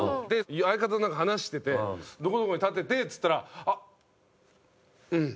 相方となんか話しててどこどこに建ててっつったら「あっうん」